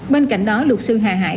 bên cạnh đó luật sư hà hải